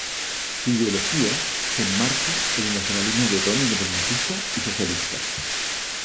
Su ideología se enmarca en el nacionalismo bretón independentista y socialista.